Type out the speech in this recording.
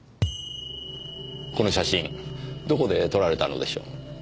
この写真どこで撮られたのでしょう。